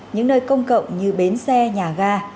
những nơi công cộng như bến xe nhà ga